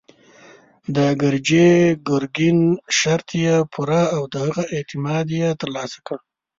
د ګرجي ګرګين شرط يې پوره او د هغه اعتماد يې تر لاسه کړ.